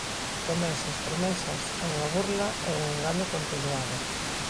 Promesas, promesas, e unha burla e un engano continuado.